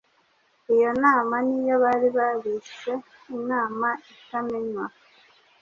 Iyo Mana ni yo bari barise “Imana itamenywa”